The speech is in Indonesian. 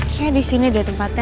kayaknya di sini deh tempatnya